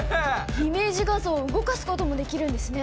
イメージ画像を動かすこともできるんですね